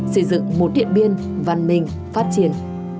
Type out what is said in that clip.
xây dựng một điện biên văn minh phát triển